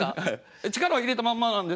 力を入れたまんまなんですけど。